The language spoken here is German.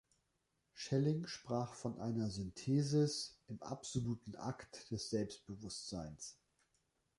Schelling sprach von einer "Synthesis" im absoluten Akt des Selbstbewusstseins.